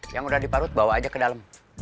yang udah diparut bawa aja ke dalam